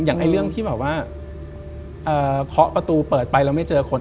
อย่างเรื่องที่แบบว่าเคาะประตูเปิดไปแล้วไม่เจอคน